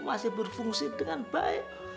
masih berfungsi dengan baik